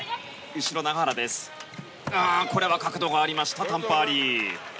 これは角度がありましたタン・パーリー。